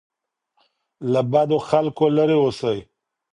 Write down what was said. له بدو خلګو لري اوسئ.